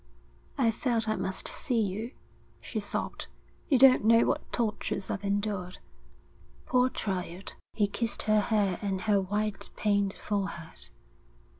'I felt I must see you,' she sobbed. 'You don't know what tortures I've endured.' 'Poor child.' He kissed her hair and her white, pained forehead.